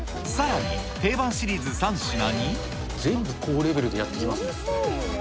さらに、全部高レベルでやってきます